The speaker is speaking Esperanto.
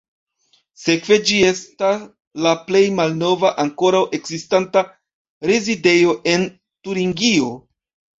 Sekve ĝi esta la plej malnova ankoraŭ ekzistanta rezidejo en Turingio.